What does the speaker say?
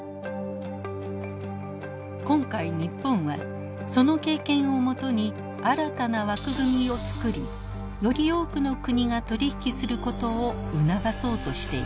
今回日本はその経験をもとに新たな枠組みを作りより多くの国が取り引きすることを促そうとしています。